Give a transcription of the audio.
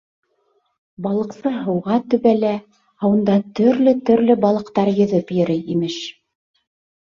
Балыҡсы һыуға төбәлә, ә унда төрлө-төрлө балыҡтар йөҙөп йөрөй, имеш.